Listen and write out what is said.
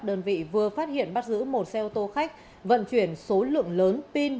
đơn vị vừa phát hiện bắt giữ một xe ô tô khách vận chuyển số lượng lớn pin